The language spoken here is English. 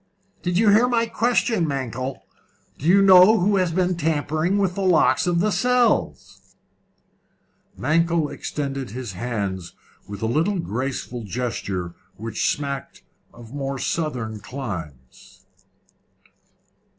"Do you hear my question, Mankell? Do you know who has been tampering with the locks of the cells?" Mankell extended his hands with a little graceful gesture which smacked of more southern climes.